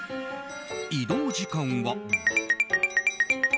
移動時間は。